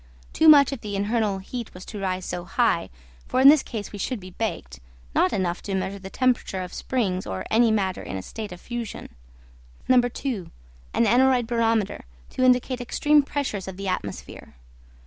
Too much if the internal heat was to rise so high, for in this case we should be baked, not enough to measure the temperature of springs or any matter in a state of fusion. 2. An aneroid barometer, to indicate extreme pressures of the atmosphere.